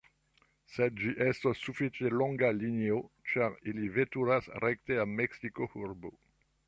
Sed ĝi estos sufiĉe longa linio, ĉar ili veturas rekte al Meksiko-urbo.